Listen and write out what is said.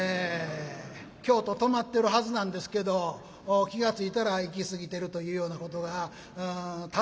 京都止まってるはずなんですけど気が付いたら行き過ぎてるというようなことが多数ございましてですね。